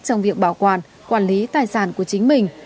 trong việc bảo quản quản lý tài sản của chính mình